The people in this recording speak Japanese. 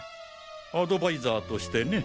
アドバイザーとしてね。